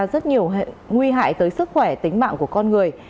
rất nhiều nguy hại tới sức khỏe tính mạng của con người